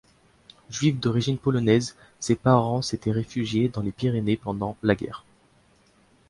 Juifs d'origine polonaise, ses parents s'étaient réfugiés dans les Pyrénées pendant la guerre.